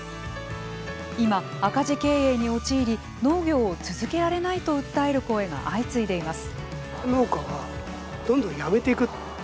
今、赤字経営に陥り農業を続けられないと訴える声が相次いでいます。